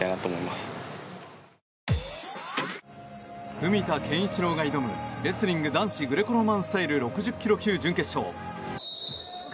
文田健一郎が挑むレスリング男子グレコローマンスタイル６０ｋｇ級準決勝。